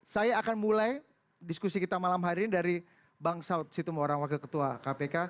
saya akan mulai diskusi kita malam hari ini dari bang saud situmorang wakil ketua kpk